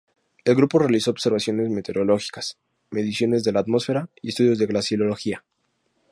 El grupo realizó observaciones meteorológicas, mediciones de la atmósfera y estudios de glaciología.